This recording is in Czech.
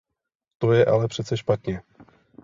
To je ale přece špatně.